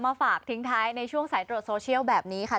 ฝากทิ้งท้ายในช่วงสายตรวจโซเชียลแบบนี้ค่ะ